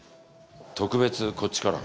特別こっちから。